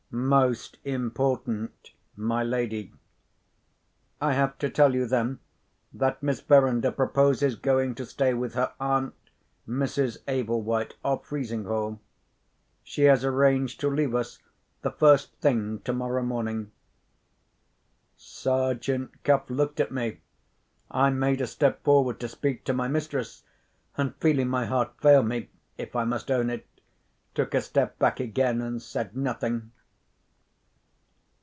"Most important, my lady." "I have to tell you, then, that Miss Verinder proposes going to stay with her aunt, Mrs. Ablewhite, of Frizinghall. She has arranged to leave us the first thing tomorrow morning." Sergeant Cuff looked at me. I made a step forward to speak to my mistress—and, feeling my heart fail me (if I must own it), took a step back again, and said nothing.